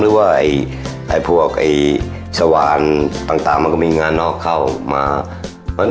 หรือว่าไอ้พวกสวานต่างมันก็มีงานนอกเข้ามา